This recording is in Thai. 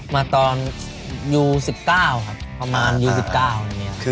มาตอนยู๑๙ครับประมาณยู๑๙